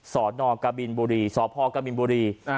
สอนอกกะบินบุรีสอพอกะบินบุรี